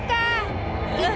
aku yang celaka